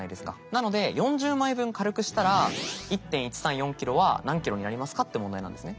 なので４０枚分軽くしたら１．１３４ｋｇは何ｋｇになりますかって問題なんですね。